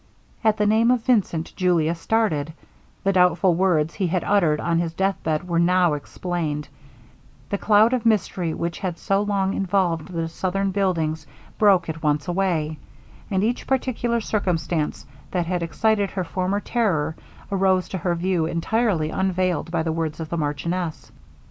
At the name of Vincent Julia started; the doubtful words he had uttered on his deathbed were now explained the cloud of mystery which had so long involved the southern buildings broke at once away: and each particular circumstance that had excited her former terror, arose to her view entirely unveiled by the words of the marchioness.